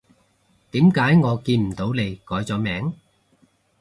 點解我見唔到你改咗名？